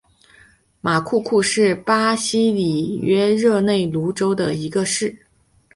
马库库是巴西里约热内卢州的一个市镇。